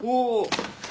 お！